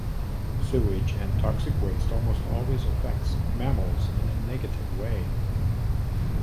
Sewage and toxic waste almost always affects mammals in a negative way.